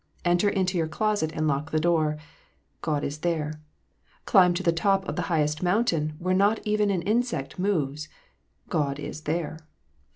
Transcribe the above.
Enter into your closet and lock the door : God is there. Climb to the top of the highest mountain, where not even an insect moves: God is there.